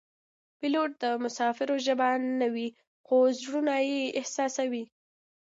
پیلوټ د مسافرو ژبه نه وي خو زړونه یې احساسوي.